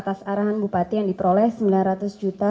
atas arahan bupati yang diperoleh sembilan ratus juta